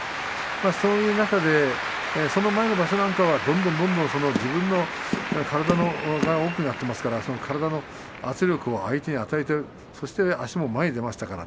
そういう中でその前の場所なんかはどんどんどんどん自分の体は重くなっていますから体の圧力を相手に与えてそして足も前に出ていました。